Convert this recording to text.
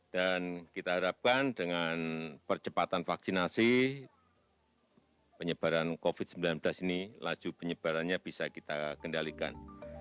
dan kita harapkan dengan percepatan vaksinasi penyebaran covid sembilan belas ini laju penyebarannya bisa kita kendalikan